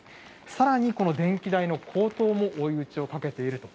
さらにこの電気代の高騰も追い打ちをかけていると。